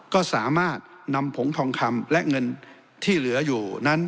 ก็สามารถนำผงทองคำและเงินที่เหลืออยู่นั้น